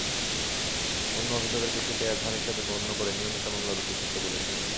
অন্য অভিযোগের বিষয়টি এজাহার হিসেবে গণ্য করে নিয়মিত মামলা রুজু করতে বলেছেন।